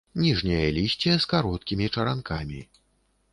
Ніжняе лісце з кароткім чаранкамі.